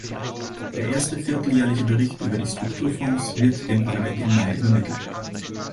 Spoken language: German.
Der erste vierteljährliche Bericht über die Strukturfonds wird dem Parlament im Mai übermittelt.